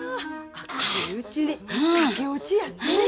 明るいうちに駆け落ちやって！